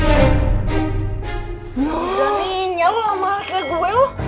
udah minyak lu sama anaknya gue lu